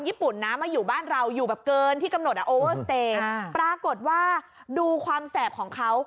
ญี่ปุ่นนะมาอยู่บ้านเราอยู่แบบเกินที่กำหนดอ่ะโอเวอร์สเตย์ปรากฏว่าดูความแสบของเขา